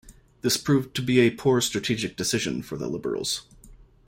This proved to be a poor strategic decision for the Liberals.